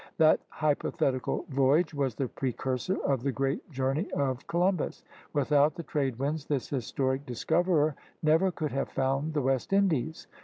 That hypothetical voyage was the precursor of the great journey of Columbus. W^ithout the trade winds this historic discoverer never could have found the West Indies.